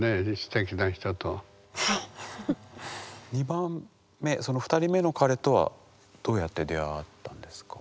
２番目その２人目の彼とはどうやって出会ったんですか？